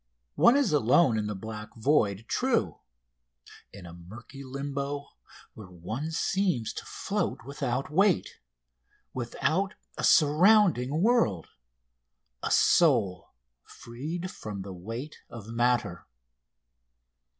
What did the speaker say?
One is alone in the black void true, in a murky limbo, where one seems to float without weight, without a surrounding world a soul freed from the weight of matter.